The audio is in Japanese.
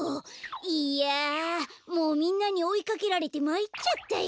いやもうみんなにおいかけられてまいっちゃったよ。